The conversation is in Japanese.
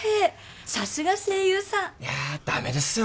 さすが声優さんいやダメですよ